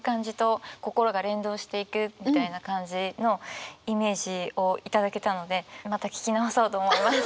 みたいな感じのイメージを頂けたのでまた聴き直そうと思います。